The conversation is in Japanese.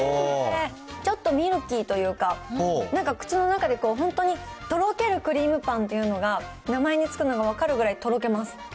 ちょっとミルキーというか、なんか口の中でこう、本当にとろけるクリームパンっていうのが名前に付くのが分かるくらい、とろけます。